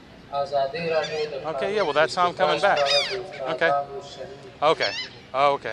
ازادي راډیو د د کانونو استخراج په اړه د استادانو شننې خپرې کړي.